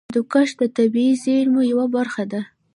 هندوکش د طبیعي زیرمو یوه برخه ده.